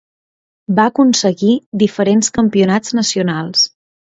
Va aconseguir diferents campionats nacionals.